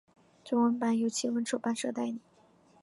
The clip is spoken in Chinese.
中文版由青文出版社代理。